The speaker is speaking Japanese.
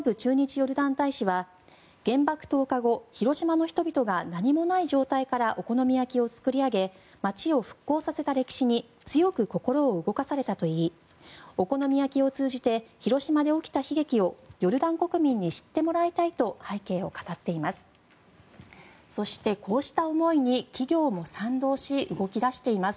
ヨルダン大使は原爆投下後広島の人々が何もない状態からお好み焼きを作り上げ街を復興させた歴史に強く心を動かされたといいお好み焼きを通じて広島で起きた悲劇をヨルダン国民に知ってもらいたいと背景を語っています。